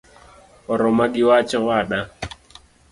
Oroma giwach owada